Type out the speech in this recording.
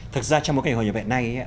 thực ra trong một cái hồi như vậy này